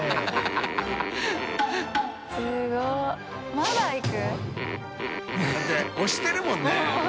まだいく。